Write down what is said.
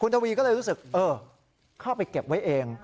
ทวีก็เลยรู้สึกเข้าไปเก็บไว้เอง